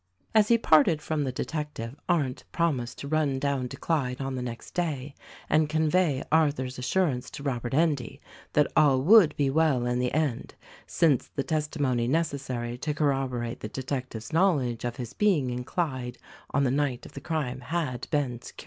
As he parted from the detective Arndt promised to run down to Clyde on the next day and convey Arthur's assur ance to Robert Endy that all would be well in the end, since the testimony necessary to corroborate the detective's knowl edge of his being in Clyde on the night of the crime had been secured.